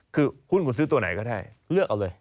คือหุ้นคุณซื้อตัวไหนก็ได้เลือกเอาเลย